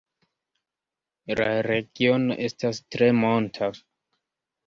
La regiono estas tre monta.